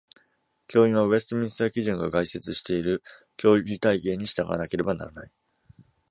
教員は、ウェストミンスター基準が概説している教義体系に従わなければならない。